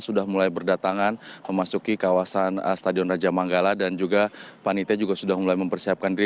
sudah mulai berdatangan memasuki kawasan stadion raja manggala dan juga panitia juga sudah mulai mempersiapkan diri